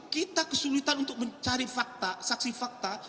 kita kesulitan untuk mencari fakta saksi fakta